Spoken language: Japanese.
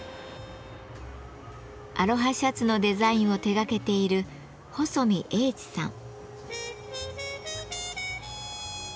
アロハシャツのデザインを手がけている細見英知さん。